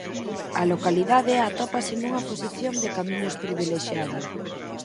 A localidade atópase nunha posición de camiños privilexiada.